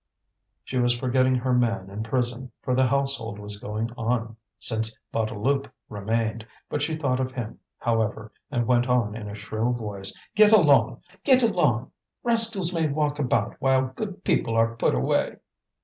She was forgetting her man in prison, for the household was going on since Bouteloup remained; but she thought of him, however, and went on in a shrill voice: "Get along! rascals may walk about while good people are put away!"